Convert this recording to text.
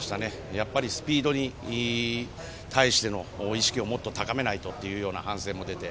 やっぱりスピードに対しての意識をもっと高めないとというような反省も出て。